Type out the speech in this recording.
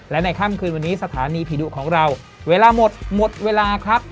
และในค่ำคืนวันนี้สถานีผีดุของเราเวลาหมดหมดเวลาครับ